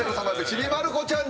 『ちびまる子ちゃん』